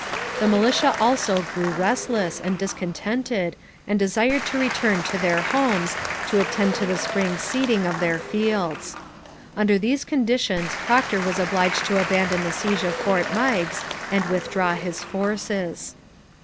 The militia also grew restless and discontented and desired to return to their homes, to attend to the spring seeding of their fields. Under these conditions Procter was obliged to abandon the siege of Fort Meigs and withdraw his forces.